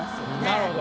なるほど。